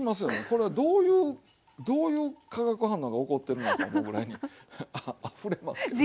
これはどういうどういう化学反応が起こってるのか思うぐらいにあふれますけども。